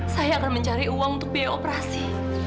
saya akan mencari uang untuk biaya operasi